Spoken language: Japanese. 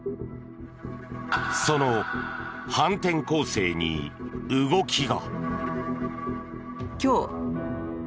その反転攻勢に、動きが。